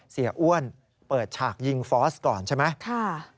เสียอ้วนเปิดฉากยิงฟอสก่อนใช่ไหม